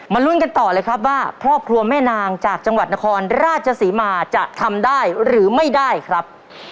ลุ้นกันต่อเลยครับว่าครอบครัวแม่นางจากจังหวัดนครราชศรีมาจะทำได้หรือไม่ได้ครับ